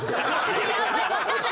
やばい。